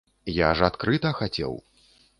Я ж адкрыта хацеў.